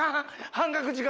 半額時間や。